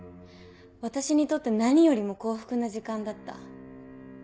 私にとって何よりも幸福な時間だった。